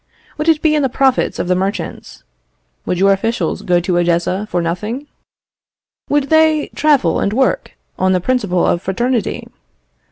Would it be in the profits of the merchants? Would your officials go to Odessa for nothing? Would they travel and work on the principle of fraternity?